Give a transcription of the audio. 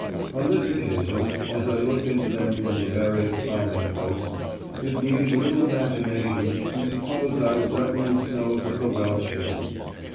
On this occasion, as I looked into them from the various bombing posts, it needed little imagination to suppose I was up in the snows of the Welsh hills.